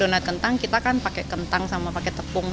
karena donat kentang kita kan pakai kentang sama pakai tepung